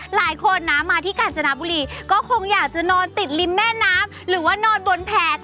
หลายคนนะมาที่กาญจนบุรีก็คงอยากจะนอนติดริมแม่น้ำหรือว่านอนบนแผ่